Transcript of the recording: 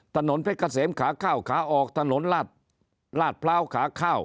ถนนเพชรเกษมขาข้าวขาออกถนนลาดพร้าวขาข้าว